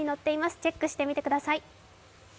チェックしてみてください。